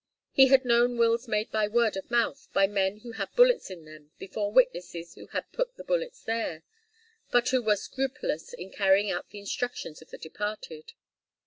He had known wills made by word of mouth by men who had bullets in them before witnesses who had put the bullets there, but who were scrupulous in carrying out the instructions of the departed.